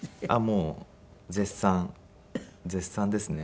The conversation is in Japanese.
もう絶賛絶賛ですね。